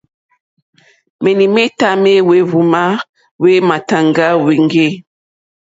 Menimeta me hwehvuma hwe matàŋga hweŋge.